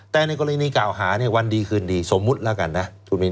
แต่ในกรณีกล่าวหาเนี่ยวันดีคืนดีสมมุติแล้วกันนะคุณมิน